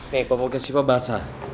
nih popoknya siva basah